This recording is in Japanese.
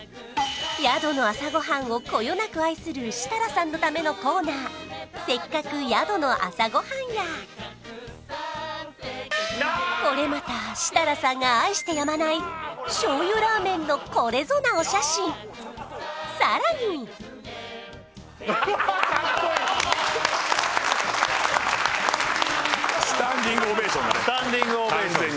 宿の朝ごはんをこよなく愛する設楽さんのためのコーナー「せっかく宿の朝ごはん」やこれまた設楽さんが愛してやまない醤油ラーメンのこれぞなお写真さらにスタンディングオベーションです